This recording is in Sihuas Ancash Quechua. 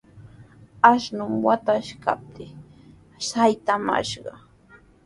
Ashnumi wataykaptii saytamashqa.